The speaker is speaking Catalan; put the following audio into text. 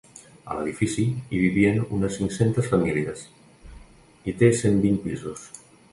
A l’edifici, hi vivien unes cinc-cents famílies i té cent vint pisos.